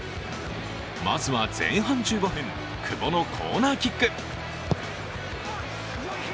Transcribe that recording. まずは前半１５分久保のコーナーキック。